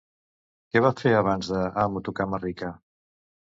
Què va fer abans de Amo tu cama rica?